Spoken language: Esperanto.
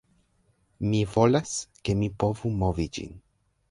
Mi volas, ke mi povu movi ĝin